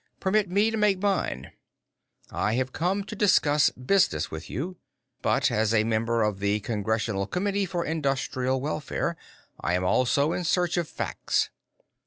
"Permit me to make mine. I have come to discuss business with you. But, as a member of the Congressional Committee for Industrial Welfare, I am also in search of facts.